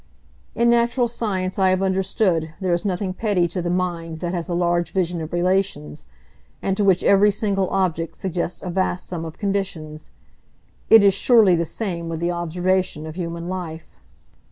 In natural science, I have understood, there is nothing petty to the mind that has a large vision of relations, and to which every single object suggests a vast sum of conditions. It is surely the same with the observation of human life.